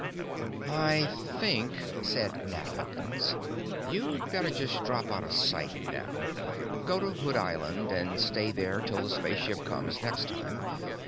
"I think," said Nat Hawkins, "you'd better just drop out of sight now. Go to Hood Island and stay there till the spaceship comes next time.